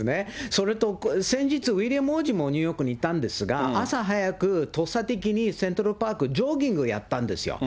それと先日、ウィリアム王子もニューヨークに行ったんですが、朝早く、とっさ的にセントラルパーク、ジョギングやったんですよ。